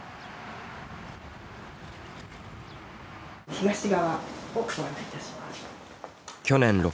東側をご案内いたします。